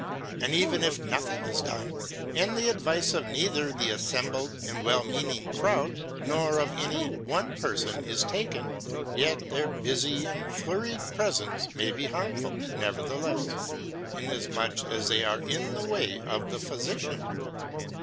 And even if nothing is done, and the advice of neither the assembled and well meaning crowd nor of any one person is taken, yet their busy and flurried presence may be harmful, nevertheless, inasmuch as they are in the way of the physician.